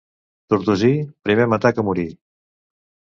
Tortosí, primer matar que morir.